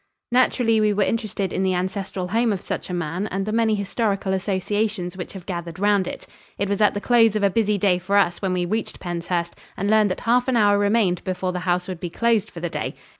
Naturally, we were interested in the ancestral home of such a man and the many historical associations which have gathered round it. It was at the close of a busy day for us when we reached Penshurst and learned that half an hour remained before the house would be closed for the day.